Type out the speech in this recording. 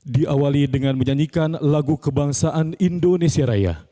diawali dengan menyanyikan lagu kebangsaan indonesia raya